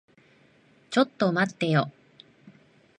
ちょっと待ってよ。